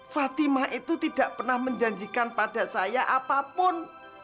fatimah itu tidak pernah menjanjikan pada saya apapun